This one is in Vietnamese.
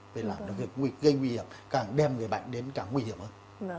vì là nó gây nguy hiểm càng đem người bạn đến càng nguy hiểm hơn